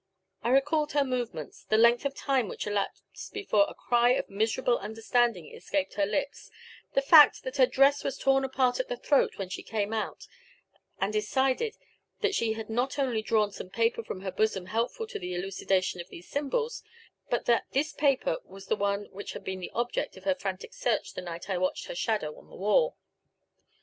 I recalled her movements, the length of time which elapsed before the cry of miserable understanding escaped her lips, the fact that her dress was torn apart at the throat when she came out, and decided that she had not only drawn some paper from her bosom helpful to the elucidation of these symbols, but that this paper was the one which had been the object of her frantic search the night I watched her shadow on the wall.